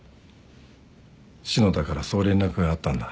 篠田からそう連絡があったんだ？